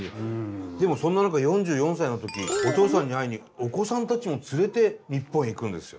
でもそんな中４４歳の時お父さんに会いにお子さんたちも連れて日本へ行くんですよ。